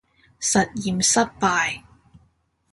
實驗失敗